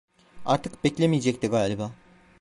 Artık bekleyemeyecekti galiba.